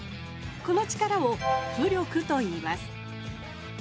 この力を浮力といいます。